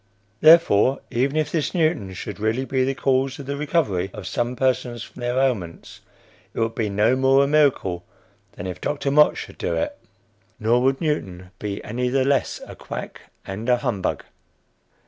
Therefore, even if this Newton should really be the cause of the recovery of some persons from their ailments, it would be no more a miracle than if Dr. Mott should do it; nor would Newton be any the less a quack and a humbug.